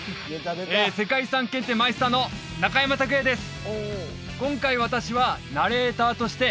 世界遺産検定マイスターの中山卓也です